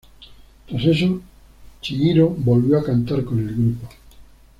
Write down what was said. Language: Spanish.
Tras eso, Chihiro volvió a cantar con el grupo.